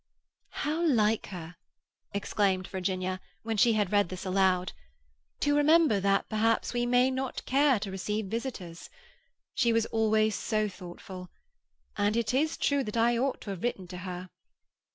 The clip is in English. "How like her," exclaimed Virginia, when she had read this aloud, "to remember that perhaps we may not care to receive visitors! She was always so thoughtful. And it is true that I ought to have written to her."